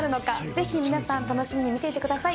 ぜひ皆さん楽しみに見ていてください。